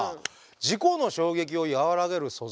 事故の衝撃をやわらげる素材